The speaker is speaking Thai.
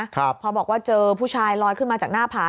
พอบอกว่าเจอผู้ชายลอยขึ้นมาจากหน้าผา